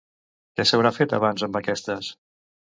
Què s'haurà fet abans amb aquestes?